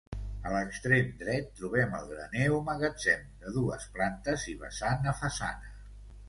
A l'extrem dret trobem el graner o magatzem de dues plantes i vessant a façana.